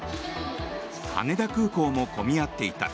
羽田空港も混み合っていた。